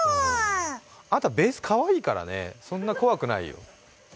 あなた、ベースかわいいからね、そんな怖くないよ